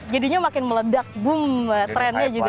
jadinya makin meledak boom trennya juga